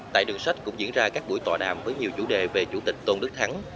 tại đường sách cũng diễn ra các buổi tọa đàm với nhiều chủ đề về chủ tịch tôn đức thắng